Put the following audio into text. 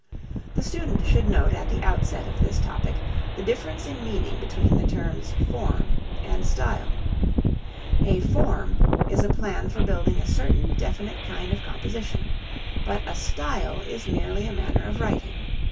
The student should note at the outset of this topic the difference in meaning between the terms form and style: A form is a plan for building a certain definite kind of composition, but a style is merely a manner of writing.